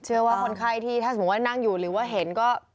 ว่าคนไข้ที่ถ้าสมมุติว่านั่งอยู่หรือว่าเห็นก็